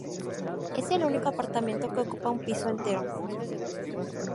Es el único apartamento que ocupa un piso entero.